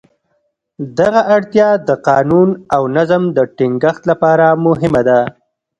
دغه اړتیا د قانون او نظم د ټینګښت لپاره مهمه ده.